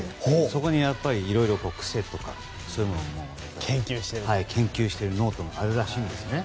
そこで、いろいろ癖とかそういうものを研究しているノートがあるらしいんですね。